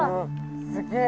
すげえ！